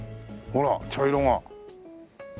ほら茶色が。